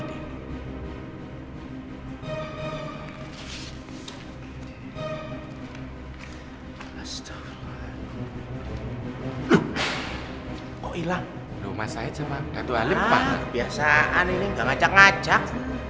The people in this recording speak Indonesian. kok hilang rumah saya cuma datuk alif pahala biasa aning ngajak ngajak